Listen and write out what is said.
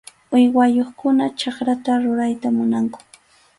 Uywayuqkuna chakrata rurayta munanku.